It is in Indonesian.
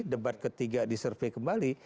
debat ketiga disurvey kembali